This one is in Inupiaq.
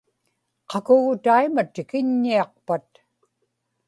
qakugu taima tikiññiaqpat